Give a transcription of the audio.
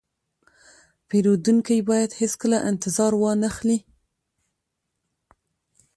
پیرودونکی باید هیڅکله انتظار وانهخلي.